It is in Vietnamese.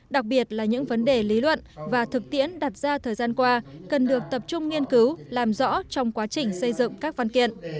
đặc biệt là những vấn đề lý luận và thực tiễn đặt ra thời gian qua cần được tập trung nghiên cứu làm rõ trong quá trình xây dựng các văn kiện